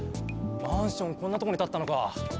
マンションこんなとこにたったのか！